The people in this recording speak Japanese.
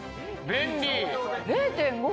便利！